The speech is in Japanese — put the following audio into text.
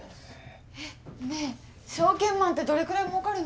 えっねえ証券マンってどれくらいもうかるの？